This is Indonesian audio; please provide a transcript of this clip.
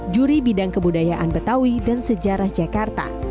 juri bidang kebudayaan betawi dan sejarah jakarta